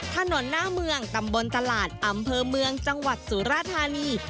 ถนนหน้าเมืองตำบลตลาดอำเภอเมืองจังหวัดสุราธานี